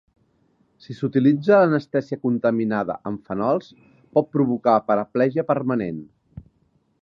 Si s"utilitza, l"anestèsia contaminada amb fenols pot provocar paraplegia permanent.